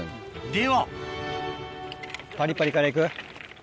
ではパリパリからいく？